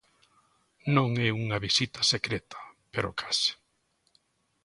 Non é unha visita secreta, pero case.